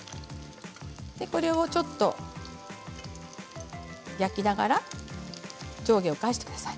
これを焼きながら上下を返してください。